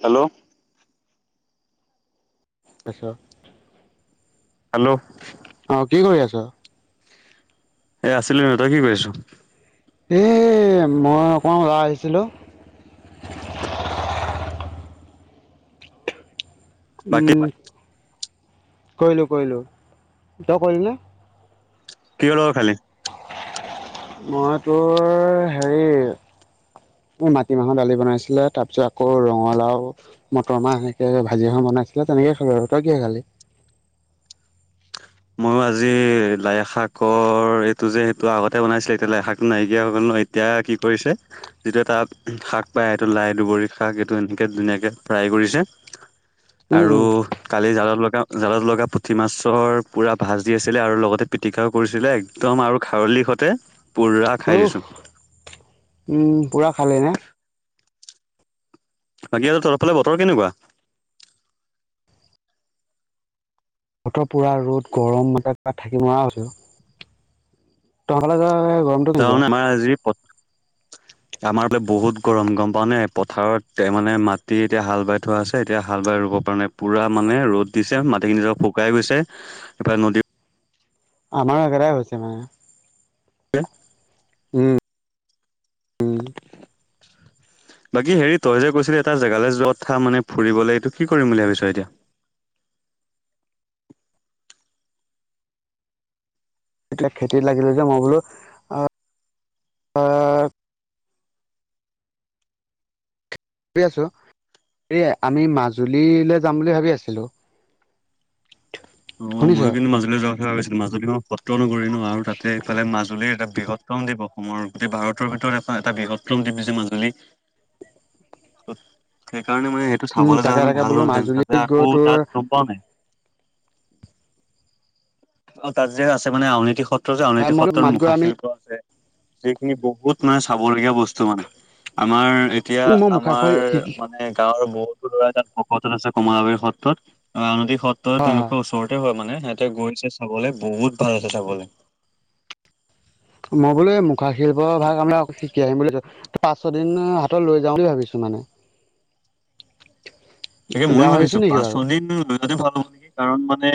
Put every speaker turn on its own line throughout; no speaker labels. Hello
[unintelligible]
hello
অ কি কৰি আছ
এ আছিলোঁ তই কি কৰি আছ।
এই মই অকণমান উলাই আহিছিলোঁ।
বাকী
উম কৰিলো কৰিলো তই কৰিলি নে।
কি হৰ লগত খালি।
মই তোৰ হেৰি। ম মাটিমাহৰ দালি বনাইছিলে তাৰ পিছত আকৌ ৰঙালাও। মটৰ মাহ এনেকৈ ভাজি এখন বনাইছিলে তেনেকৈ খালো আৰু তই কিহে খালী।
ময়ো আজি লাইশাকৰ এইটো যে সেইটো আগতে বনাইছিলে এতিয়া লাইশাকটো নাইকিয়া হৈ গ'ল ন। এতিয়া কি কৰিছে। যিটো এটা শাক পায় এইটো লাই দুবৰী শাক এইটো এনেকে ধুনীয়াকে ফ্ৰাই কৰিছে।
উম
আৰু
উম
কালি জালত লগা জালত লগা পুঠি মাছৰ পুৰা। ভাজি আছিলে আৰু লগতে পিটিকাও কৰিছিলে একদম আৰু খাৰলি সতে পোৰা খাই
উহ
দিছো।
উম পুৰা খালে নে।
বাকি আৰু তহতৰ ফালে বতৰ কেনেকুৱা।
বতৰ পুৰা ৰ'দ গৰম মইতাত থাকি নোৱাৰা হৈছো। [inaudible]
ঝাও নামাৰ আজি পত। আমাৰ বোলে বহুত গৰম গম পাও নে পথাৰত মানে মাটি এতিয়া হাল বাই। থোৱা আছে এতিয়া হাল বাই ৰুব পৰা নাই পুৰা মানে ৰ'দ দিছে মাটিখিনিজ শুকাই গৈছে। এফালে নদী।
আমাৰ একেটাই হৈছে মানে।
[inaudible]
উম',।
বাকী হেৰি তই যে কৈছিলি এটা জেগালৈ যত থা মানে ফুৰিবলৈ এইটো কি কৰিম বুলি ভাবিছ এতিয়া।
এইাক খেতিত লাগিলে যে মই বোলো আহ। ভাবি আছোঁ এই আমি মাজুলীলৈ যাম বুলি ভাবি আছিলো।
অ
শুনিছ?
ময়ো কিন্তু মাজুলীৰ যোৱাৰ কথা কৈছিলো। মাজুলী মই সত্ৰ নগৰি নো আৰু তাতে ইফালে মাজুলীৰ এটা বৃহৎ। উ্ৰমদ্বীপ অসমৰ গোটেই ভাৰতৰ ভিতৰত এটা এটা বৃহত্তমদ্বীপ যে মাজুলী। সেইকাৰণে মানে সেইটো
উম
চাবলৈ যাও
তাকে
[unintelligible]
তাকে
ভাল
বোলো
হ'লহেতেন
মাজুলীত
তাতে
গৈ
আকৌ
তোৰ
তাত। হয়োৱা নাই। অ', ত যে আছে মানে অৰ্নীতি সত্ৰ যে অৰ্নীতি
মই
সত্ৰৰ
মাত গৈ
মুখা
আমি
শিল্প আছে। সেইখিনি বহুত মানে চাবলগীয়া বস্তু মানে। আমাৰ এতিয়া
মই মুখাশিল
আমাৰ
শিকি
মানে গাঁৱৰ বহুত। [unintelligible] ভকত আছে কমলাবীৰ সত্ৰত ৰাজনৈতিক সত্ৰত
হয়
তেওঁলোক।
হয়
ওচৰতে হয় মানে সিহঁতে গৈছে চাবলৈ বহুত ভাল আছে চাবলৈ।
মই বো মুখা শিল্পৰ ভাগ আম আ শিকি আহিম বুলি। পাঁচ ছ দিন হাতত লৈ যাওঁ বুলি ভাবিছো মানে।
তাকে ময়
বেয়া
ভাবিছো
নেকি
পাঁচ
বাৰু
দিন। ত ভাল হ'ব নেকি কাৰণ মানে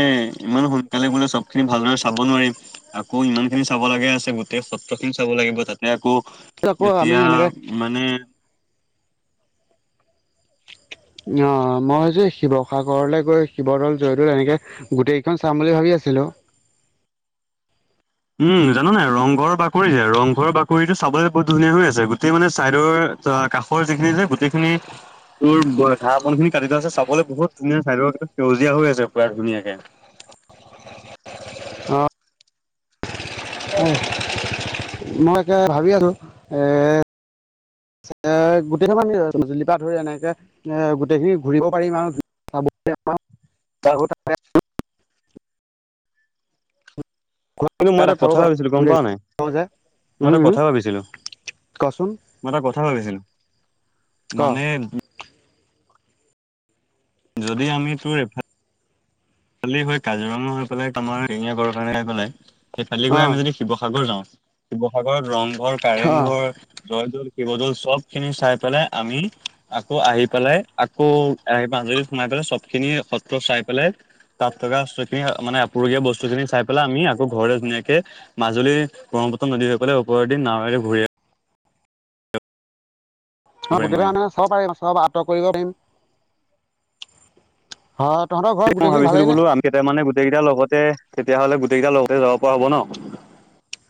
ইমান সোনকালে বোলে চব খিনি ভালদৰে চাব নোৱাৰিম। আকৌ ইমান খিনি চাব লগে আছে গোটেই সত্ৰ খিনি চাব লাগিব তাতে আকৌ।
আকৌ আমি
এতিয়া
এনেকে
মানে।
অ', মই হৈছে শিৱসাগৰলৈ গৈ শিৱদৌল যয়তু তেনেকে। গোটেইকেইখন চাম বুলি ভাবি আছিলো।
উম জানো নাই ৰংঘৰ বাকৰি যে ৰংঘৰৰ বাকৰিতটো চাবলৈ বহুত ধুনীয়া হৈ আছে। গোটেই মানে চাইদৰ। অ', কাষৰ যিখিনি যে গোটেইখিনি তোৰ। ঘাঁহ বপন খিন কাটি থ আছে। চাবলৈ বহুত ধুনীয়া চাই ল সেউজীয়া হৈ আছে। পুৰা ধুনীয়াকে
অ মই একে ভাবি আছো এ এ', গোটেই মানি জ লিপা ধৰি এনেকে এ', গোটেইখিনি ঘূৰিব পাৰিম আৰু [unintelligible] [unintelligible]
কিন্তু মই এটা কথা ভাবিছিলো গম পাৱ নাই মই এটা কথা ভাবিছিলো
[unintelligible] কচোন?
মই এটা কথা ভাবিছিলো
ক
মানে যদি আমি তোৰ ফালি হয়। কাজিৰঙা হৈ পেলাই তমাৰ এশেঙীয়াৰ কাৰে হৈ পেলাই। সেই ফালি গৈ
অ
আমি যদি শিৱসাগৰ যাওঁ। শিৱসাগৰত ৰংঘৰ,
অ',
কাৰেংঘৰ জয়দল, শিৱদ'ল চব খিনি চাই পেলাই আমি আকৌ আহি পেলাই আকৌ আহি মাজৰি সোমাই পেলাই চব খিনি সত্ৰ চাই পেলাই। তাত থকাখিনি মানে আপুৰুগীয়া বস্তুখিনি চাই পেলাই আমি আকৌ ঘৰলৈ ধুনীয়াকে মাজুলী ব্ৰহ্মপুত্ৰ নদসকলে ওপৰে দি নাৱেৰে ঘূৰে
মই
আহিব পাৰিম
প্ৰতি
আমি।
মানে চাব পাৰিম। চব আঁতক কৰিব পাৰিম। ঘ
মই ভাবিছিলো বোলো। আমি কেইাৰ মানে গোটেইটাৰ লগতে তেতিয় হ'লে গোটেইাৰ লগতে যাব পৰা হব ন